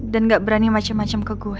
dan gak berani macem macem ke gue